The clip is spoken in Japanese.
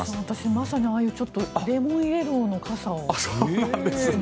まさにああいうちょっとレモンイエローの傘を。